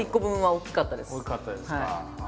大きかったですか。